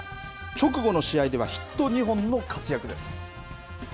直後の試合では、ヒット２本の活躍です。